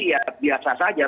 ya biasa saja